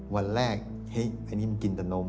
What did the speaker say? วันแรกอันนี้มันกินแต่นม